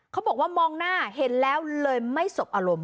เขาบอกว่ามองหน้าเห็นแล้วเลยไม่สบอารมณ์